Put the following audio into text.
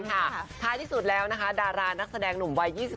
ท้ายที่สุดดารานักแสดงหนุ่มวัย